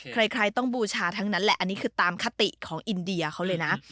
ใครต้องบูชาทั้งนั้นแหละอันนี้คือตามคติของอินเดียเขาเลยนะ